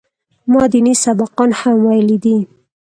ما ديني سبقان هم ويلي دي.